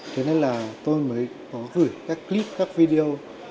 thế nên là tôi mới có gửi các clip các video